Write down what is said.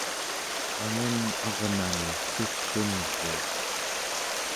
angun arnami sugtunruuq